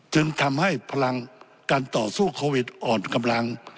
จึงทำให้พลังการต่อสู้โควิดอ่อนกำลัง